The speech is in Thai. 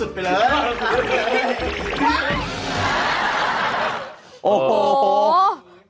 มันก็เป็นอย่างงี้เลยมันก็บางสุดสุดไปเลย